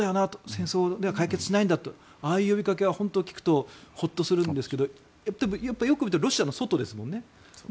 戦争では解決しないんだとああいう呼びかけを聞くとホッとするんですがよく見るとロシアの外ですよね。